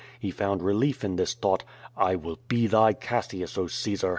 He found relief in this thought. "I will be thy Cassius, Oh Caesar!'